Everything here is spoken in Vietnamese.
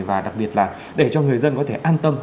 và đặc biệt là để cho người dân có thể an tâm